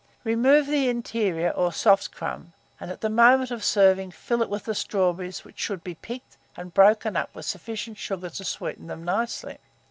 Remove the interior, or soft crumb, and, at the moment of serving, fill it with the strawberries, which should be picked, and broken up with sufficient sugar to sweeten them nicely.